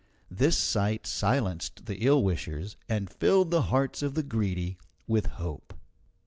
This sight silenced the ill wishers and filled the hearts of the Greedy with hope.